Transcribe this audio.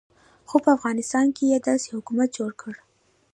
خو په افغانستان کې یې داسې حکومت جوړ کړ.